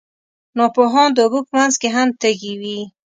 ناپوهان د اوبو په منځ کې هم تږي وي.